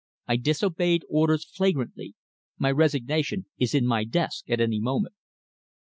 I disobeyed orders flagrantly. My resignation is in my desk at any moment."